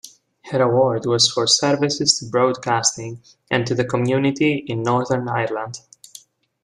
Her award was for 'Services to Broadcasting and to the Community in Northern Ireland'.